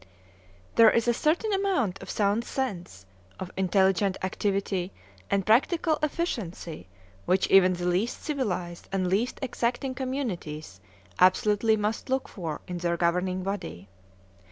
There is a certain amount of sound sense, of intelligent activity and practical efficiency, which even the least civilized and least exacting communities absolutely must look for in their governing body.